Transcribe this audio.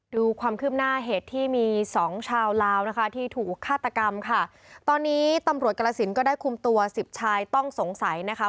ดูความคืบหน้าเหตุที่มีสองชาวลาวนะคะที่ถูกฆาตกรรมค่ะตอนนี้ตำรวจกรสินก็ได้คุมตัวสิบชายต้องสงสัยนะคะ